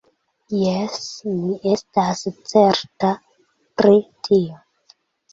Jes; mi estas certa pri tio.